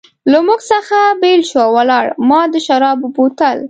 له موږ څخه بېل شو او ولاړ، ما د شرابو بوتل.